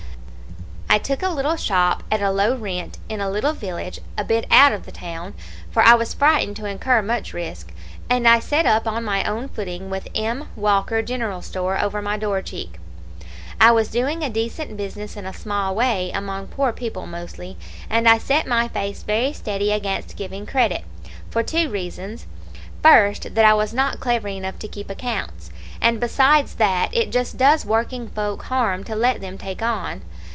"I took a little shop at a low rent, in a little village, a bit out of the town, for I was frightened to incur much risk, and I set up on my own footing, with 'M. Walker, general store,' over my door cheek. "I was doing a decent business, in a small way, among poor people mostly; and I set my face very steady against giving credit, for two reasons first, that I was not clever enough to keep accounts; and besides that, it just does working folk harm to let them take on.